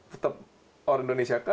tetap orang indonesia